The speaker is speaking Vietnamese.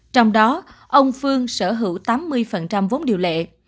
trong đó ông phương sở hữu tám mươi vốn điều lệ